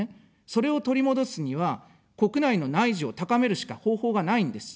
それを取り戻すには、国内の内需を高めるしか方法がないんです。